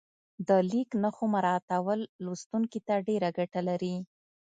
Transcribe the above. د لیک نښو مراعاتول لوستونکي ته ډېره ګټه لري.